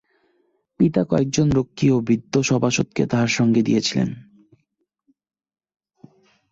পিতা কয়েকজন রক্ষী ও বৃদ্ধসভাসদকে তাঁহার সঙ্গে দিয়াছিলেন।